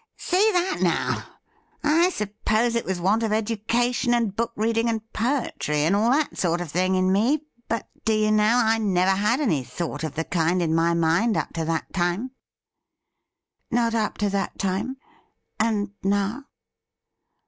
' See that, now ! I suppose it was want of education and book reading and poetry, and all that sort of thing, in me ; but, do you know, I never had any thought of the kind in my mind up to that time.' ' Not up to that time ? And now